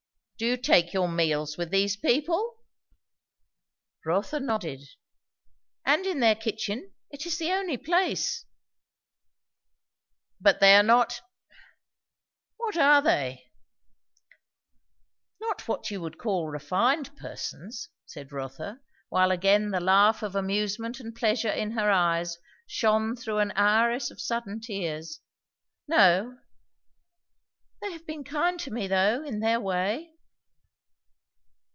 "Do you take your meals with these people?" Rotha nodded. "And in their kitchen. It is the only place." "But they are not What are they?" "Not what you would call refined persons," said Rotha, while again the laugh of amusement and pleasure in her eyes shone through an iris of sudden tears. "No they have been kind to me, though, in their way."